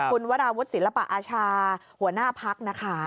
คุณวราวุฒิศิลปะอาชาหัวหน้าพักนะคะ